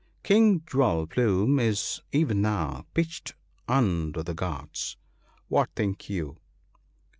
King Jewel plume is even now pitched under the Ghauts. What think you